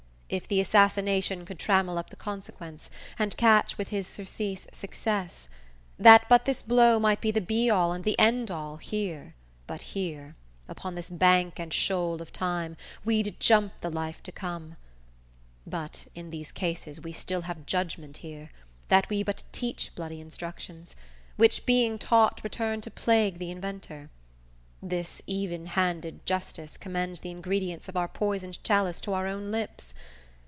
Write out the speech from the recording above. If the assassination Could trammel up the consequence, and catch, With his surcease, success; that but this blow Might be the be all and the end all here, But here, upon this bank and shoal of time, We'd jump the life to come; but, in these cases We still have judgment here; that we but teach Bloody instructions, which being taught, return To plague the inventor. This evenhanded justice Commends the ingredients of our poisoned chalice, To our own lips.